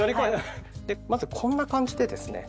まずこんな感じでですね